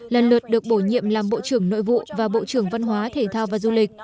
lần lượt được bổ nhiệm làm bộ trưởng nội vụ và bộ trưởng văn hóa thể thao và du lịch